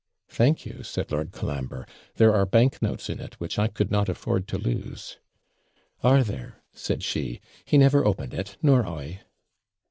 'Thank you,' said Lord Colambre; 'there are bank notes in it, which I could not afford to lose.' 'Are there?' said she; 'he never opened it nor I.'